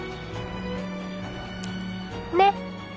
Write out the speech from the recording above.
ねっ。